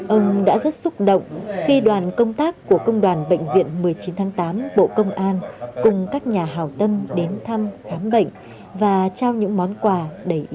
ông đã rất xúc động khi đoàn công tác của công đoàn bệnh viện một trăm chín mươi tám bộ công an cùng các nhà hào tâm đến thăm khám bệnh và trao những món quà đầy ý nghĩa